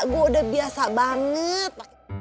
gue udah biasa banget